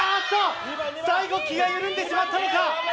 最後、気が緩んでしまったか！